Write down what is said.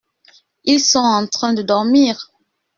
Ils sont en train de dormir.